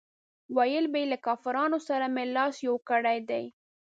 ویل به یې له کفارو سره مې لاس یو کړی دی.